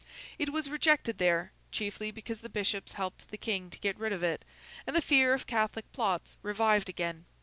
It was rejected there, chiefly because the bishops helped the King to get rid of it; and the fear of Catholic plots revived again.